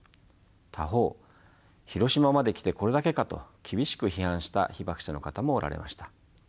他方「広島まで来てこれだけか」と厳しく批判した被爆者の方もおられました。